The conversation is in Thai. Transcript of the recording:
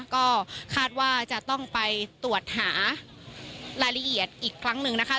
ก็คาดว่าจะต้องไปตรวจหารายละเอียดอีกครั้งหนึ่งนะคะ